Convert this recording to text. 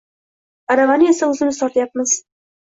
Aravani esa oʻzimiz tortyapmiz.